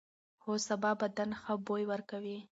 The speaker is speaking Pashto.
هو، سابه بدن ښه بوی ورکوي.